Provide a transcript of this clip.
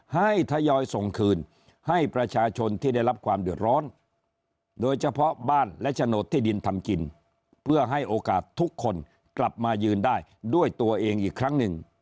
ให้ทยอยส่งคืนให้ประชาชนที่ได้รับความเดือดร้อน